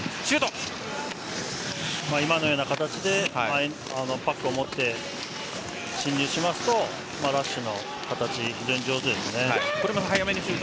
今のような形でパックを持って進入しますとラッシュの形、上手ですね。